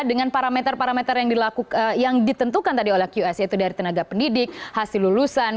dengan parameter parameter yang ditentukan tadi oleh qs yaitu dari tenaga pendidik hasil lulusan